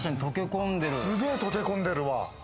すげぇ溶け込んでるわ。